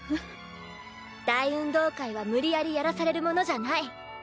大運動会は無理やりやらされるものじゃない。